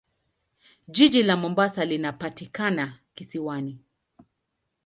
Jiji la Mombasa linapatikana kisiwani.